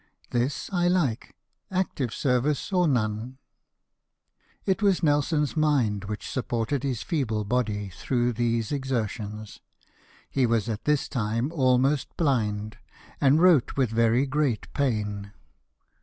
This I like — active service, or none." It was Nelson's mind which supported his feeble body through these exertions. He was at this time almost blind, and wrote with very great pain.